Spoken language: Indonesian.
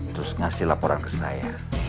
terus ngasih laporan ke saya